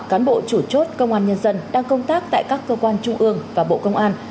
cán bộ chủ chốt công an nhân dân đang công tác tại các cơ quan trung ương và bộ công an